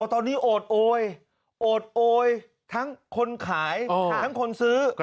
ตอนนี้โอดโอยโอดโอยทั้งคนขายทั้งคนซื้อ